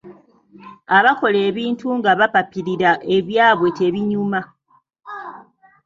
Abakola ebintu nga bapapirira ebyabwe tebinyuma